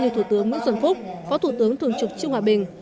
như thủ tướng nguyễn xuân phúc phó thủ tướng thường trục triệu hòa bình